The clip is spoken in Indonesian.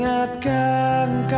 haha diam diam diam